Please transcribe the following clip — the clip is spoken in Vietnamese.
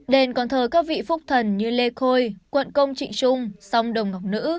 đền còn thờ các vị phúc thần như lê khôi quận công trị trung song đồng ngọc nữ